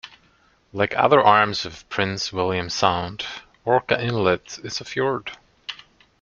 Like other arms of Prince William Sound, Orca Inlet is a fjord.